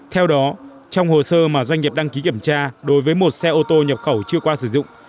theo đó trong hồ sơ mà doanh nghiệp đăng ký kiểm tra đối với một xe ô tô nhập khẩu chưa qua sử dụng